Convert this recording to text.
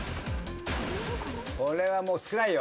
これはもう少ないよ。